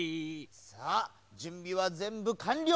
さあじゅんびはぜんぶかんりょう！